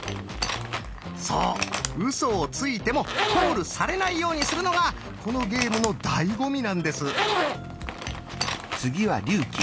ウソをついてもコールされないようにするのがこのゲームのだいご味なんです。